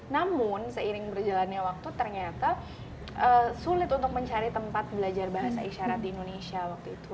namun seiring berjalannya waktu ternyata sulit untuk mencari tempat belajar bahasa isyarat di indonesia waktu itu